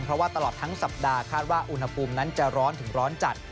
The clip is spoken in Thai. เพราะว่าตลอดทั้งสัปดาห์คาดว่าอุณหภูมินั้นจะร้อนถึงร้อนจัด